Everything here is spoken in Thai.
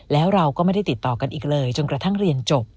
แล้วเราก็ไม่ได้ติดต่อกันอีกเลยจนกระทั่งเรียนจบ